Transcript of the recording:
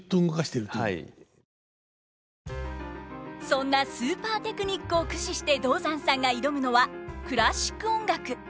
そんなスーパーテクニックを駆使して道山さんが挑むのはクラシック音楽！